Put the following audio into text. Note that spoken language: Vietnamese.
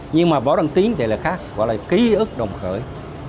nhưng mà võ đăng tín thì lại khác gọi là ký ức đồng khởi